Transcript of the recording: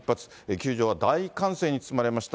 球場は大歓声に包まれました。